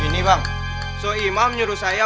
ini bang soeimah menurut saya